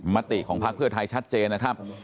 มติของพักเพื่อไทยชัดเจนนะครับ